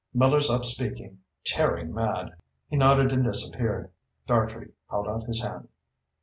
Miller's up speaking, tearing mad." He nodded and disappeared. Dartrey held out his hand.